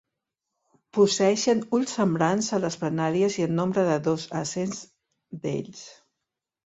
Posseeixen ulls semblants a les planàries i en nombre de dos a cents d'ells.